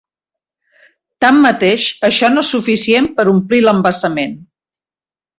Tanmateix, això no és suficient per omplir l'embassament.